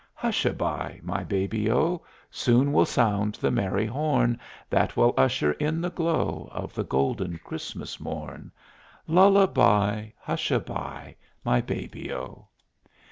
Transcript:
Hush a by, my Baby O! Soon will sound the merry horn That will usher in the glow Of the golden Christmas morn. Lull a by! Hush a by, my Baby O.